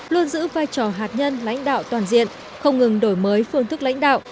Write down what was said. luôn giữ vai trò hạt nhân lãnh đạo toàn diện không ngừng đổi mới phương thức lãnh đạo